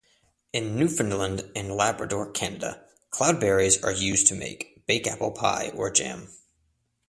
In Newfoundland and Labrador, Canada, cloudberries are used to make "bakeapple pie" or jam.